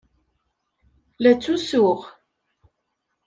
La ttusuɣ.